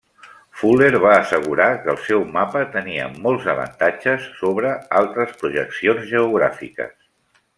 Fuller va assegurar que el seu mapa tenia molts avantatges sobre altres projeccions geogràfiques.